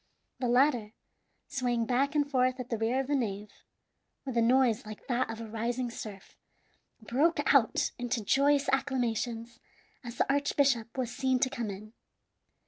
The latter, swaying back and forth at the rear of the nave, with a noise like that of a rising surf, broke out into joyous acclamations as the archbishop was seen to come in.